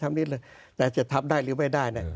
แวะจะทำได้หรือไม่ได้